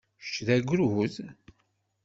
Kečč d agrud?